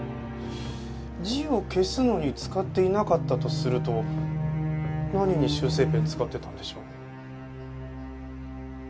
字を消すのに使っていなかったとすると何に修正ペン使ってたんでしょう？